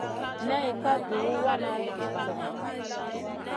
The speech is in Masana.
Nay ka duhw wana zi banada.